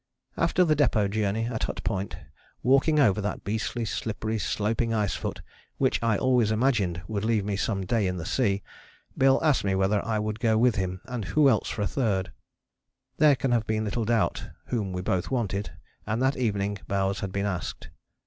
After the Depôt Journey, at Hut Point, walking over that beastly, slippery, sloping ice foot which I always imagined would leave me some day in the sea, Bill asked me whether I would go with him and who else for a third? There can have been little doubt whom we both wanted, and that evening Bowers had been asked.